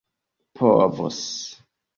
povos